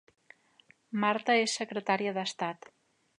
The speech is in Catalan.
Marta és secretària d'Estat